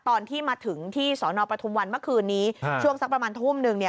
ตอนที่มาถึงที่สอนอปทุมวันเมื่อคืนนี้ช่วงสักประมาณทุ่มนึงเนี่ย